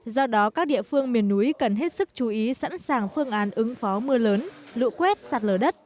do đó các địa phương miền núi cần hết sức chú ý sẵn sàng phương án ứng phó mưa lớn lũ quét sạt lở đất